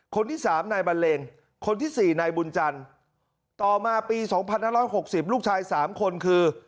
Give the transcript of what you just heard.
คนที่๓นายบันเลงคนที่๔นายบุญจันทร์ต่อมาปี๒๕๖๐ลูกชาย๓คนคือ